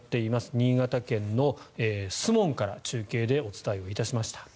新潟県の守門から中継でお伝えをしました。